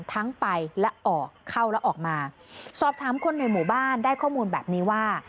ทั้งไปและออกเข้าและออกมาสอบถามคนในหมู่บ้านได้ข้อมูลแบบนี้ว่า